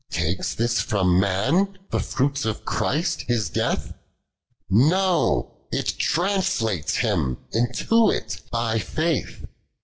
Takes this from man the fruits of Christ His death ? No, it tnmslatcs him into it by faith.